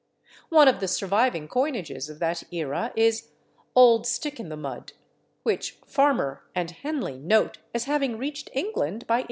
One of the surviving coinages of that era is /Old Stick in the Mud/, which Farmer and Henley note as having reached England by 1823.